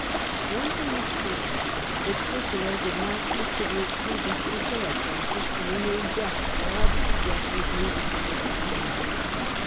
One thing is clear — that Cicero did not consider it prudent to assail Crassus, and remained deaf to all the suggestions made to him with that object.